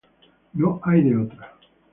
No hay de otra.